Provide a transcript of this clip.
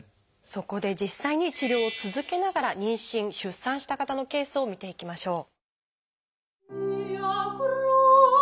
そこで実際に治療を続けながら妊娠・出産した方のケースを見ていきましょう。